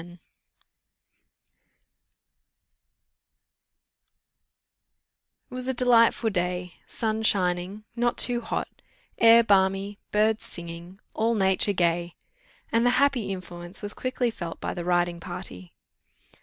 It was a delightful day, sun shining, not too hot, air balmy, birds singing, all nature gay; and the happy influence was quickly felt by the riding party.